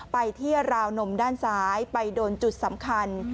ไปที่ราวนมด้านซ้ายไปโดนจุดสำคัญ